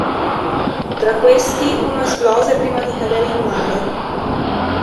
Tra questi uno esplose prima di cadere in mare.